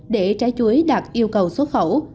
để trái chuối đạt yêu cầu xuất khẩu